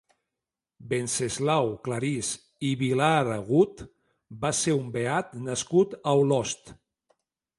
Venceslau Clarís i Vilaregut va ser un beat nascut a Olost.